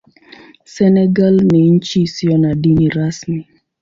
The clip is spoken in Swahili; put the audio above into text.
Senegal ni nchi isiyo na dini rasmi.